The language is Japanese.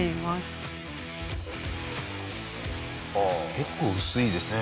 結構薄いですよね。